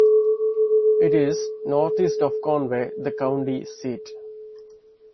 It is northeast of Conway, the county seat.